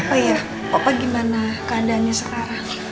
oh iya papa gimana keadaannya sekarang